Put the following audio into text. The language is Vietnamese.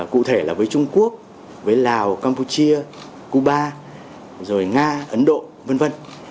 cụ thể là với trung quốc lào campuchia cuba nga ấn độ v v